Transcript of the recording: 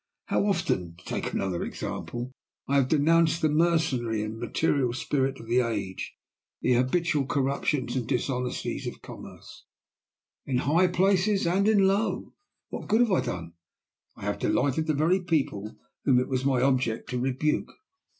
How often (to take another example) have I denounced the mercenary and material spirit of the age the habitual corruptions and dishonesties of commerce, in high places and in low! What good have I done? I have delighted the very people whom it was my object to rebuke.